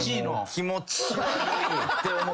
気持ち悪いって思って。